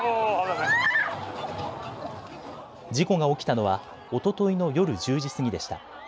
事故が起きたのは、おとといの夜１０時過ぎでした。